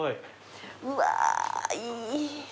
うわーいい。